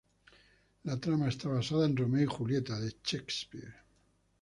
La trama está basada en "Romeo y Julieta" de Shakespeare.